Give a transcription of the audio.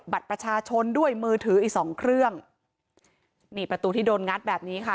บัตรประชาชนด้วยมือถืออีกสองเครื่องนี่ประตูที่โดนงัดแบบนี้ค่ะ